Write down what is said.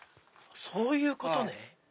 そういうことね。